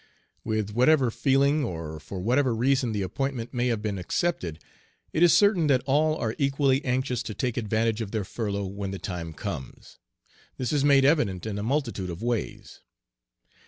With whatever feeling, or for whatever reason the appointment may have been accepted, it is certain that all are equally anxious to take advantage of their furlough when the time comes. This is made evident in a multitude of ways.